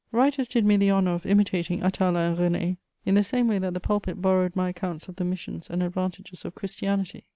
Writers did me the honour of imitating Atala and René, in the same way that the pulpit borrowed my accounts of the missions and advantages of Christianity.